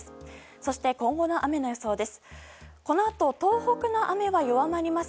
そして今後の雨の予想です。